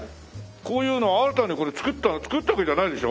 こういうの新たにこれ作った作ったわけじゃないでしょ？